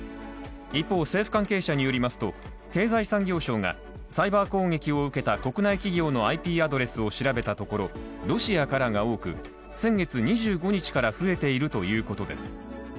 一方、政府関係者によりますと、経済産業省が、サイバー攻撃を受けた国内企業のＩＰアドレスを調べたところ、ロシアからが多く、先月２５日から増えているということです。